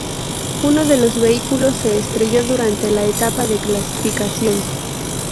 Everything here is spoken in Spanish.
Uno de los vehículos se estrelló durante la etapa de clasificación.